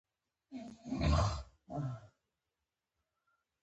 په سیمه کې د شوروي ملګري کمزوري شوي وای.